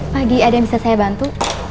pagi ada yang bisa saya bantu